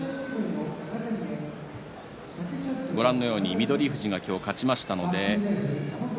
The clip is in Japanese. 翠富士が勝ちました。